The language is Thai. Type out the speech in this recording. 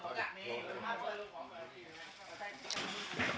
ก็จะมีความสุขกับพวกเรา